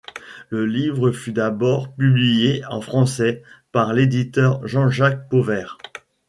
Le livre fut d'abord publié en français par l'éditeur Jean-Jacques Pauvert.